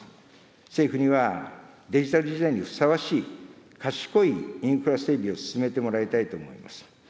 政府にはデジタル時代にふさわしい、賢いインフラ整備を進めてもらいたいと思います。